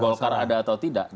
golkar ada atau tidak